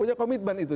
punya komitmen itu